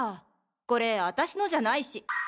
これアタシのじゃないし。